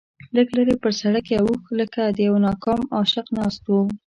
لږ لرې پر سړک یو اوښ لکه د یوه ناکام عاشق ناست و.